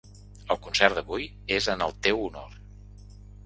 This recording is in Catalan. El concert d’avui és en el teu honor.